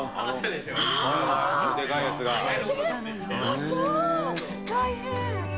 ああそう大変。